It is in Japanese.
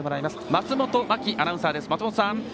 松本真季アナウンサーです。